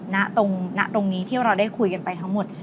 ณตรงนี้ที่เราได้คุยกันไปทั้งหมด